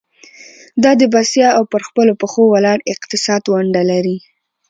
دا د بسیا او پر خپلو پخو ولاړ اقتصاد ونډه لري.